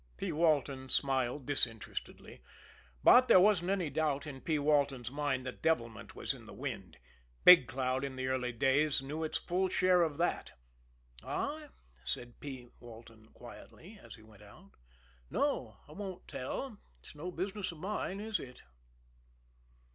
P. Walton smiled disinterestedly but there wasn't any doubt in P. Walton's mind that devilment was in the wind Big Cloud, in the early days, knew its full share of that. "I?" said P. Walton quietly, as he went out. "No; I won't tell. It's no business of mine, is it?"